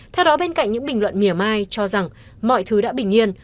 theo đó bên cạnh những bình luận miểu mai cho rằng mọi thứ đã bình yên